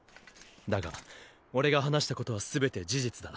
だが俺が話したことは全て事実だ。